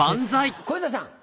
小遊三さん。